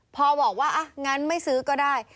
พอบอกว่าอ่ะงั้นไม่ซื้อก็ได้